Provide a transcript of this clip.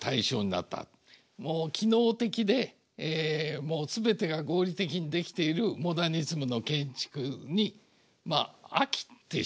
もう機能的で全てが合理的に出来ているモダニズムの建築にまあ飽きてしまって。